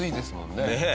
ねえ。